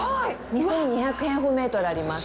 ２２００平方メートルあります。